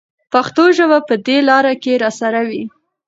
پښتو ژبه به په دې لاره کې راسره وي.